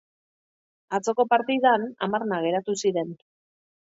Atzoko partidan hamarna geratu ziren.